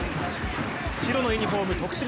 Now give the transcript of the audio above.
白のユニフォーム、徳島。